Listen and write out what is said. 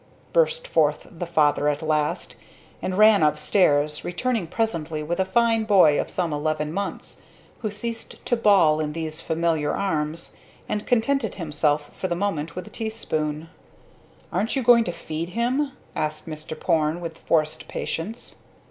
burst forth the father at last, and ran upstairs, returning presently with a fine boy of some eleven months, who ceased to bawl in these familiar arms, and contented himself, for the moment, with a teaspoon. "Aren't you going to feed him?" asked Mr. Porne, with forced patience.